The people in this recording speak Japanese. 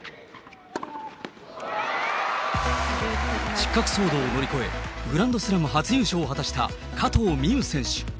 失格騒動を乗り越え、グランドスラム初優勝を果たした加藤未唯選手。